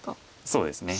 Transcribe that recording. そうですね。